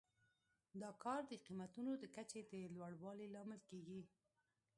دا کار د قیمتونو د کچې د لوړوالي لامل کیږي.